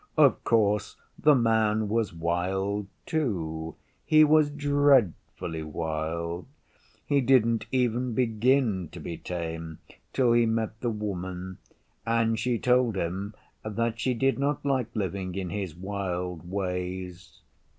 Of course the Man was wild too. He was dreadfully wild. He didn't even begin to be tame till he met the Woman, and she told him that she did not like living in his wild ways.